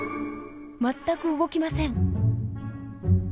全く動きません。